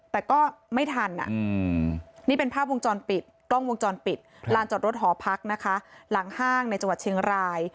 แต่ก็ไม่ทันนี่เป็นภาพวงจรปิดกล้องวงจรปิดลานจอดรถหอพักนะคะหลังห้างในจังหวัดเชียงราย